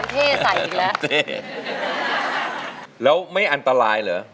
เพลงที่๑มูลค่า๑๐๐๐๐บาท